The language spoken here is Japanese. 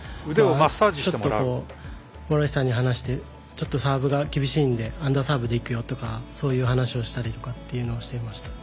ちょっとこう諸石さんに話してちょっとサーブが厳しいんでアンダーサーブで行くよとかそういう話をしたりとかっていうのをしていました。